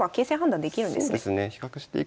そうですね。